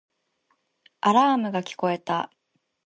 アラームが聞こえた